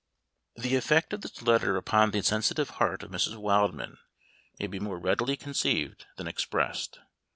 The effect of this letter upon the sensitive heart of Mrs. Wildman may be more readily conceived than expressed.